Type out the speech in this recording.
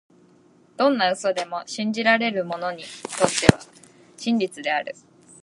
どんな嘘でも、信じられる者にとっては真実である。